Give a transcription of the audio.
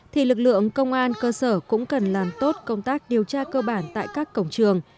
thì lực lượng công an cơ sở cũng cần làm tốt công tác điều tra cơ bản tại các cổng trường